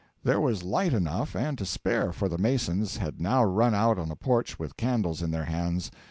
There was light enough, and to spare, for the Masons had now run out on the porch with candles in their hands.